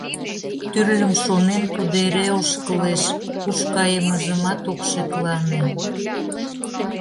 Тӱрлым шонен, тудо эре ошкылеш, куш кайымыжымат ок шеклане.